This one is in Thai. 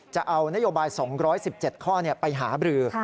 จะเอานโยบาย๒๑๗ข้อไปหาบรือ